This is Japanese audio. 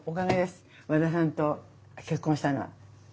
和田さんと結婚したのは。